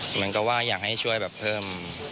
เหมือนกับว่าอยากให้ช่วยแบบเพิ่ม